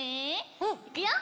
うん。いくよ！